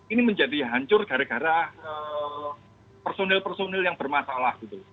ini menjadi hancur gara gara personel personel yang bermasalah